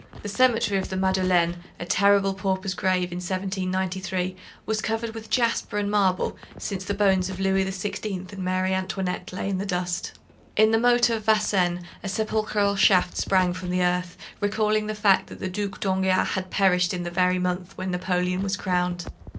The cemetery of the Madeleine, a terrible pauper's grave in 1793, was covered with jasper and marble, since the bones of Louis XVI. and Marie Antoinette lay in that dust. In the moat of Vincennes a sepulchral shaft sprang from the earth, recalling the fact that the Duc d'Enghien had perished in the very month when Napoleon was crowned.